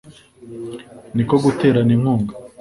ni ko guterana inkunga